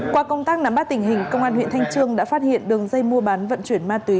qua công tác nắm bắt tình hình công an huyện thanh trương đã phát hiện đường dây mua bán vận chuyển ma túy